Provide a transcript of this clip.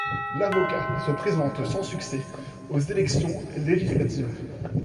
L'avocat se présente sans succès aux élections législatives.